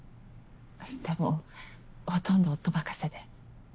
でもほとんど夫任せで。